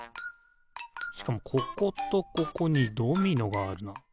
しかもこことここにドミノがあるな。